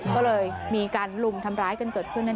ก็เลยมีการลุมทำร้ายกันเกิดขึ้นนั่นเอง